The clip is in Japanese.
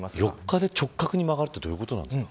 ４日で直角に曲がるってどういうことなんですか。